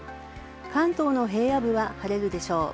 関東の平野部は晴れるでしょう。